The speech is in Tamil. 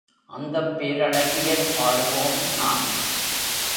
அந்தப் பேரழகியைப் பாடுவோம் நாம்.